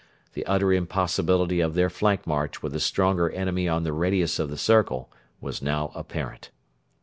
The utter impossibility of their flank march with a stronger enemy on the radius of the circle was now apparent.